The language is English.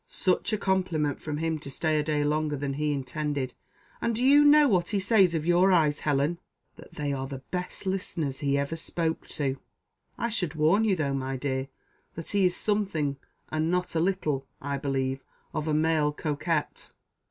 Such a compliment from him to stay a day longer than he intended! And do you know what he says of your eyes, Helen? that they are the best listeners he ever spoke to. I should warn you though, my dear, that he is something, and not a little, I believe, of a male coquette.